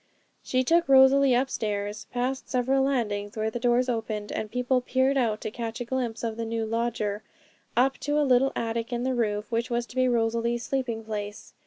She took Rosalie upstairs, past several landings, where doors opened and people peered out to catch a glimpse of the new lodger, up to a little attic in the roof, which was to be Rosalie's sleeping place.